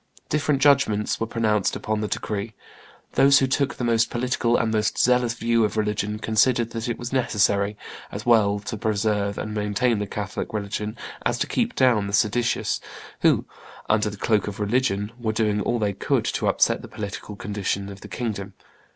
Different judgments were pronounced upon the decree: those who took the most political and most zealous view of religion considered that it was necessary, as well to preserve and maintain the Catholic religion as to keep down the seditious, who, under the cloak of religion, were doing all they could to upset the political condition of the kingdom.